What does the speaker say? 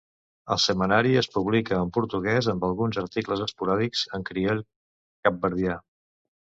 El setmanari es publica en portuguès amb alguns articles esporàdics en crioll capverdià.